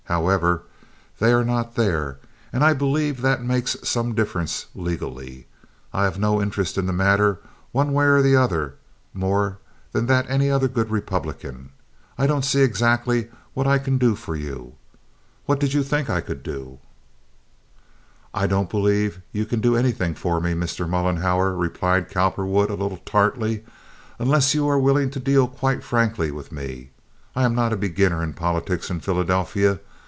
However, they are not there, and I believe that that makes some difference legally. I have no interest in the matter one way or the other, more than that of any other good Republican. I don't see exactly what I can do for you. What did you think I could do?" "I don't believe you can do anything for me, Mr. Mollenhauer," replied Cowperwood, a little tartly, "unless you are willing to deal quite frankly with me. I am not a beginner in politics in Philadelphia.